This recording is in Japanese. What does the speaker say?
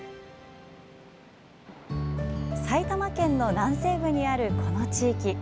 埼玉県の南西部にあるこの地域。